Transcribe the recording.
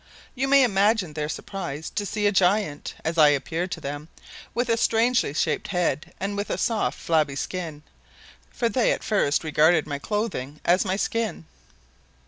You may imagine their surprise to see a giant, as I appeared to them, with a strangely shaped head and with a soft, flabby skin, for they at first regarded my clothing as my skin.